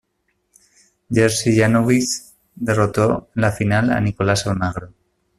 Jerzy Janowicz derrotó en la final a Nicolás Almagro.